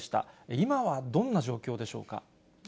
今はどんな状況でしょうか。